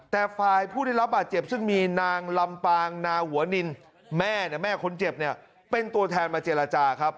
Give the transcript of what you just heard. แต่ฝ่ายผู้ได้รับบาดเจ็บซึ่งมีนางลำปางนาหัวนินแม่แม่คนเจ็บเนี่ยเป็นตัวแทนมาเจรจาครับ